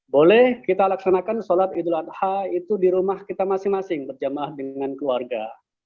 boleh kita laksanakan sholat idul adha itu di rumah kita masing masing berjamaah dengan keluarga